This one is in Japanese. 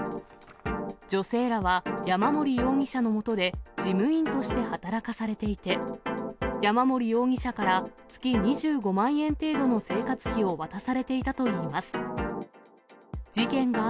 女性らは山森容疑者の下で、事務員として働かされていて、山森容疑者から月２５万円程度の生活費を渡されていたといいます。